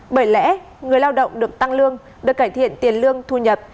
bởi lẽ người lao động được tăng lương được cải thiện tiền lương thu nhập